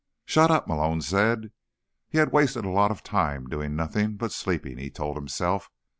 "Shut up," Malone said. He had wasted a lot of time doing nothing but sleeping, he told himself.